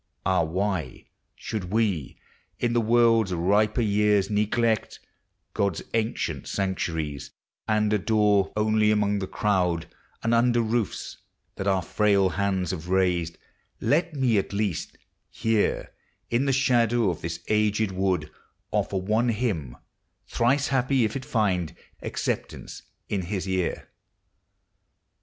Ah, w h.\ Should we, in the world's piper yeai " I God's ancient sanctuaries, and a lore 224 POEMS OF NATURE. Only among the crowd, and under roofs That our frail hands have raised? Let me, at least, Here, iu the shadow of this aged wood, Offer one hymn, — thrice happy if it find Acceptance in his ear.